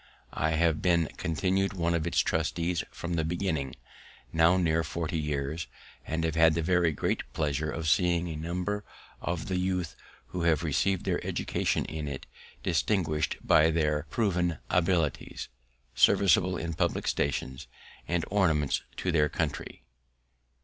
I have been continued one of its trustees from the beginning, now near forty years, and have had the very great pleasure of seeing a number of the youth who have receiv'd their education in it, distinguish'd by their improv'd abilities, serviceable in public stations, and ornaments to their country.